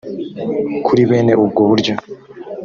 kuri bene ubwo buryo